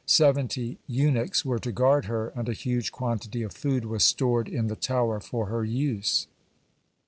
Seventy eunuchs were to guard her, and a huge quantity of food was stored in the tower for her use.